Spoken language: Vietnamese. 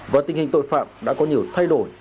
và tình hình tội phạm đã có nhiều thay đổi